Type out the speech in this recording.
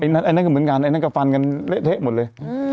เนี่ยแม้งกับฟันกันเละเทะหมดเลย